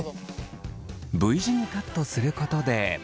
Ｖ字にカットすることで。